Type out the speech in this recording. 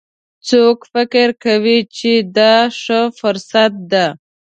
څوک فکر کوي چې دا ښه فرصت ده